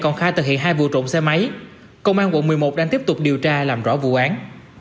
công an quận một mươi một đang tiếp tục điều tra làm rõ vụ án